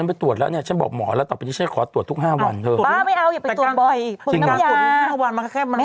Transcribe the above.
ไม่ฉันกลัวเป็นคนเป็นแพทย์ใส่ครูทุกคนน่ะ